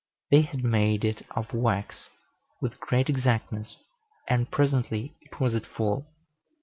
They had made it of wax, with great exactness, and presently it was at full.